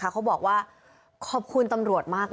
เขาบอกว่าขอบคุณตำรวจมากเลย